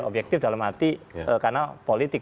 objektif dalam arti karena politik